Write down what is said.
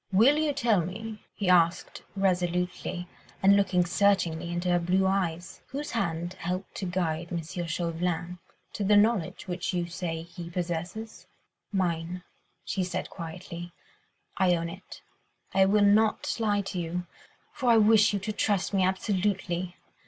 "Will you tell me," he asked resolutely, and looking searchingly into her blue eyes, "whose hand helped to guide M. Chauvelin to the knowledge which you say he possesses?" "Mine," she said quietly, "I own it—I will not lie to you, for I wish you to trust me absolutely.